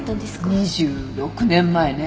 ２６年前ね。